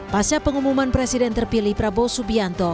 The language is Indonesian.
pasca pengumuman presiden terpilih prabowo subianto